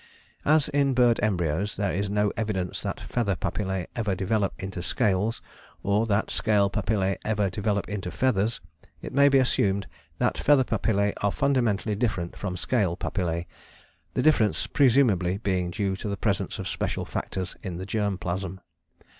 "As in bird embryos there is no evidence that feather papillae ever develop into scales or that scale papillae ever develop into feathers it may be assumed that feather papillae are fundamentally different from scale papillae, the difference presumably being due to the presence of special factors in the germ plasm.